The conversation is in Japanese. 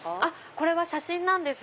これは写真なんです。